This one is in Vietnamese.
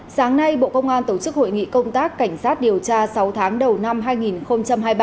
sáng nay bộ công an tổ chức hội nghị công tác cảnh sát điều tra sáu tháng đầu năm hai nghìn hai mươi ba